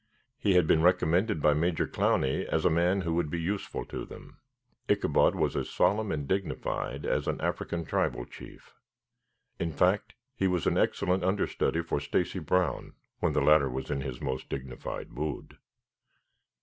He had been recommended by Major Clowney as a man who would be useful to them. Ichabod was as solemn and dignified as an African tribal chief. In fact, he was an excellent understudy for Stacy Brown when the latter was in his most dignified mood.